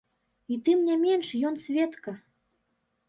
І тым не менш, ён сведка.